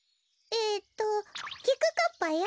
えっときくかっぱよ。